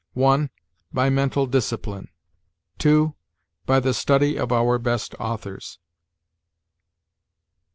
(1) By mental discipline. (2) By the study of our best authors."